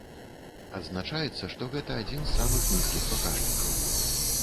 Адзначаецца, што гэта адзін з самых нізкіх паказчыкаў.